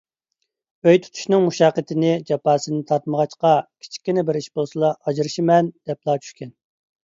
ئۆي تۇتۇشنىڭ مۇشەققىتىنى، جاپاسىنى تارتمىغاچقا، كىچىككىنە بىر ئىش بولسىلا «ئاجرىشىمەن» دەپلا چۈشكەن.